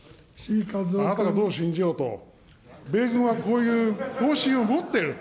あなたがどう信じようと、米軍はこういう方針を持っている。